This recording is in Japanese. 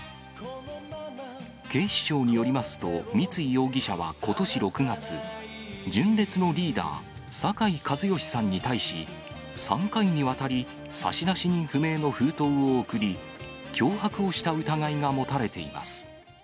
警視庁によりますと、三井容疑者はことし６月、純烈のリーダー、酒井一圭さんに対し、３回にわたり差出人不明の封筒を送り、脅迫をした疑いが持たれています。